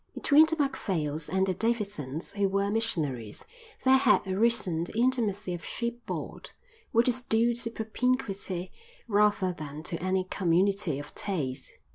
Between the Macphails and the Davidsons, who were missionaries, there had arisen the intimacy of shipboard, which is due to propinquity rather than to any community of taste.